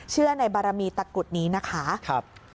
เชื่อในบารมีตะกุดนี้นะคะ